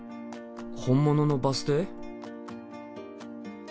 本物のバス停？